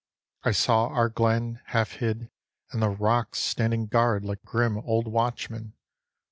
I saw our glen, half hid, and the rocks Standing guard like grim old watchmen.